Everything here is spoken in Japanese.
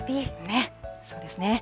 そうですね。